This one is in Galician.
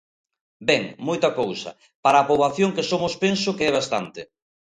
Ben, moita cousa... para a poboación que somos penso que é bastante.